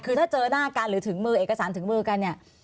คือถ้าเจอหน้ากันหรือถึงมือเอกสารถึงมือกันเนี่ย